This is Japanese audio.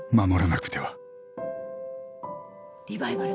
リバイバルが。